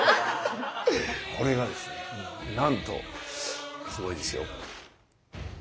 これがですねなんとすごいですよ。